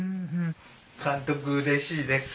監督うれしいです。